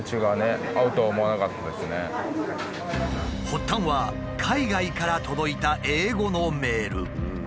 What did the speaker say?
発端は海外から届いた英語のメール。